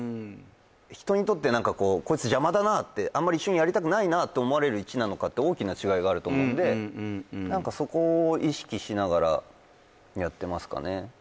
人にとって「こいつ邪魔だな」って「一緒にやりたくないな」と思われる１なのかって大きな違いがあると思うんでそこを意識しながらやってますかね